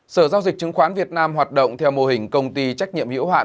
sở giao dịch chứng khoán việt nam hoạt động theo mô hình công ty trách nhiệm hiểu hạn